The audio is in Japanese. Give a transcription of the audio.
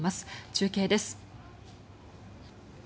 中継です。